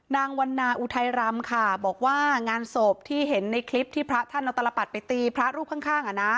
วันนาอุทัยรำค่ะบอกว่างานศพที่เห็นในคลิปที่พระท่านเอาตลปัดไปตีพระรูปข้าง